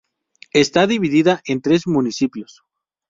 Está dividida en tres municipios.